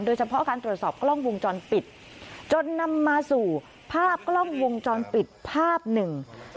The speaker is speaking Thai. โดยเฉพาะการตรวจสอบกล้องวงจรปิดจนนำมาสู่ภาพกล้องวงจรปิดภาพหนึ่ง